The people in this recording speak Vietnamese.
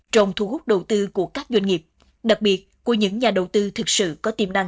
trong thu hút đầu tư của các doanh nghiệp đặc biệt của những nhà đầu tư thực sự có tiềm năng